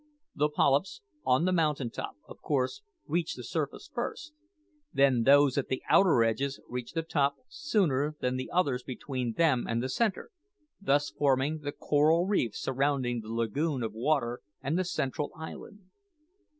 The polypes on the mountain top, of course, reach the surface first; then those at the outer edges reach the top sooner than the others between them and the centre, thus forming the coral reef surrounding the lagoon of water and the central island.